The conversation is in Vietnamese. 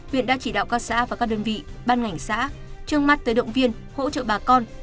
huyện đã chỉ đạo các xã và các đơn vị ban ngành xã trước mắt tới động viên hỗ trợ bà con